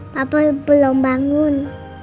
papa belum bangun